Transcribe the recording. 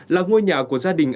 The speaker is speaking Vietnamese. là ngôi nhà của gia đình